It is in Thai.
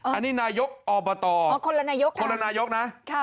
อันนี้นายกอบตอ๋อคนละนายกคนละนายกนะ